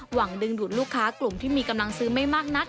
หวังดึงดูดลูกค้ากลุ่มที่มีกำลังซื้อไม่มากนัก